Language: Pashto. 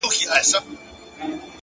وخت د بېتوجهۍ تاوان نه بښي’